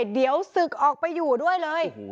เดี๋ยวศึกออกไปอยู่ด้วยเลย